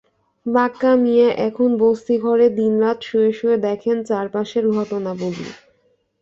বাক্কা মিয়া এখন বস্তি ঘরে দিন-রাত শুয়ে শুয়ে দেখেন চারপাশের ঘটনাবলি।